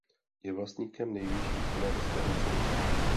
Je vlastníkem nejvyšší trenérské licence.